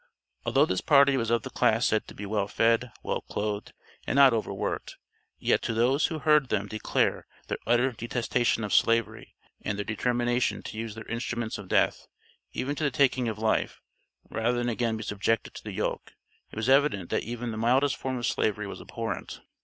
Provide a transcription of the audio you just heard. Although this party was of the class said to be well fed, well clothed, and not over worked, yet to those who heard them declare their utter detestation of slavery and their determination to use their instruments of death, even to the taking of life, rather than again be subjected to the yoke, it was evident that even the mildest form of slavery was abhorrent.